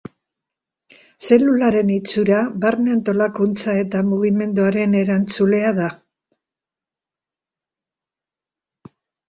Zelularen itxura, barne antolakuntza eta mugimenduaren erantzulea da.